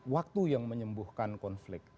waktu yang menyembuhkan konflik